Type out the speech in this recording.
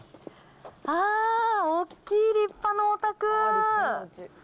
ああ、大きい立派なお宅。